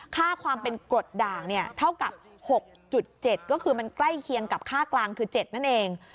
ค่าความเป็นกรดด่างเนี่ยเท่ากับ๖๗ก็คือมันใกล้เคียงกับค่ากลางคือ๗นั่นเอง